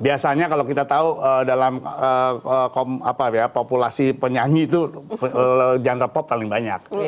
biasanya kalau kita tahu dalam populasi penyanyi itu genre pop paling banyak